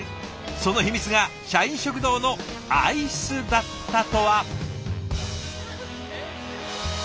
その秘密が社員食堂のアイスだったとは。